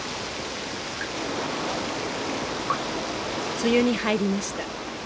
梅雨に入りました。